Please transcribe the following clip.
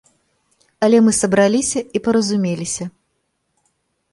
Але мы сабраліся і паразумеліся.